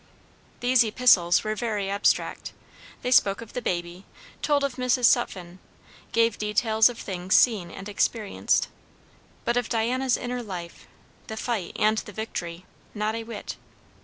These epistles were very abstract; they spoke of the baby, told of Mrs. Sutphen, gave details of things seen and experienced; but of Diana's inner life, the fight and the victory, not a whit.